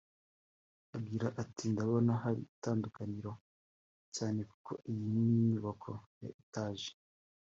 Agira ati “Ndabona hari itandukaniro cyane kuko iyi ni inyubako ya ‘etage’